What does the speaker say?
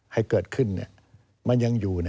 ให้เกิดขึ้นมันยังอยู่